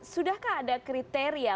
sudahkah ada kriteria